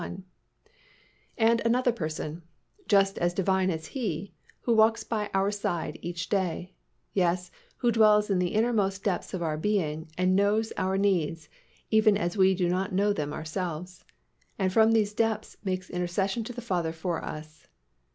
1); and another Person, just as Divine as He, who walks by our side each day, yes, who dwells in the innermost depths of our being and knows our needs, even as we do not know them ourselves, and from these depths makes intercession to the Father for us.